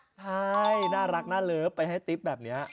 ใช่น่ารักน่าเลิฟไปให้ติ๊บแบบนี้